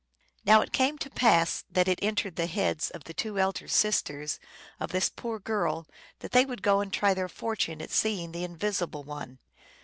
Now it came to pass that it entered the heads of THE INVISIBLE ONE. 305 the two elder sisters of this poor girl that they would go and try their fortune at seeing the Invisible One.